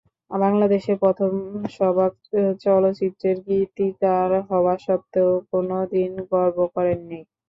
বাংলাদেশের প্রথম সবাক চলচিত্রের গীতিকার হওয়া সত্ত্বেও কোনো দিন গর্ব করেননি।